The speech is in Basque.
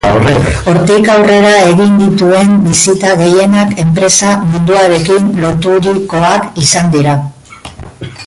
Hortik aurrera egin dituen bisita gehienak enpresa munduarekin loturikoak izan dira.